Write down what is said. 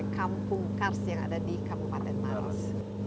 kampung kars yang ada di kampung paten maris